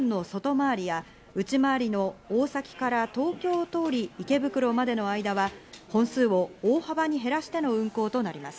また、この区間の外回りや、内回りの大崎から東京通り、池袋までの間は本数を大幅に減らしての運行となります。